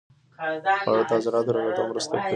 خواړه د عضلاتو رغېدو مرسته کوي.